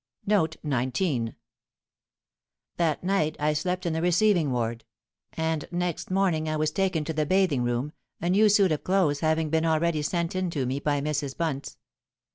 "That night I slept in the Receiving Ward; and next morning I was taken to the bathing room, a new suit of clothes having been already sent in to me by Mrs. Bunce.